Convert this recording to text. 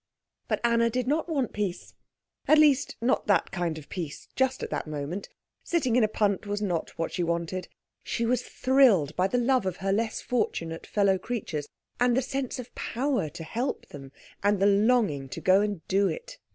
But Anna did not want peace; at least, not that kind of peace just at that moment. Sitting in a punt was not what she wanted. She was thrilled by the love of her less fortunate fellow creatures, and the sense of power to help them, and the longing to go and do it.